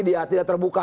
dia tidak terbuka